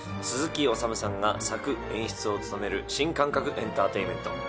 鈴木おさむさんが作演出を務める新感覚エンターテインメント。